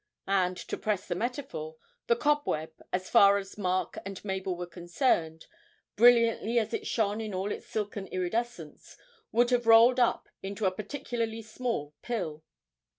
And, to press the metaphor, the cobweb, as far as Mark and Mabel were concerned, brilliantly as it shone in all its silken iridescence, would have rolled up into a particularly small pill.